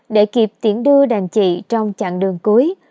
để kịp tiễn đưa đàn chị trong chặng đường cuối